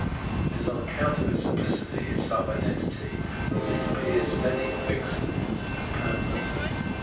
It is on account of its simphcity, its self identity, that it appears steady, fixed, and permanent.